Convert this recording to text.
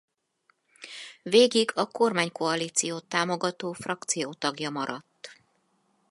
Végig a kormánykoalíciót támogató frakció tagja maradt.